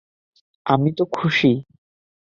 আমি তো খুশি।